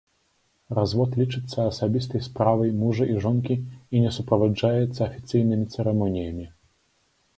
Развод лічыцца асабістай справай мужа і жонкі і не суправаджаецца афіцыйнымі цырымоніямі.